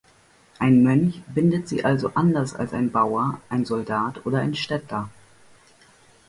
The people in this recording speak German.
Ein Mönch bindet sie also anders als ein Bauer, ein Soldat oder ein Städter.